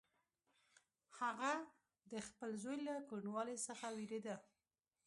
هغه د خپل زوی له کوڼوالي څخه وېرېده.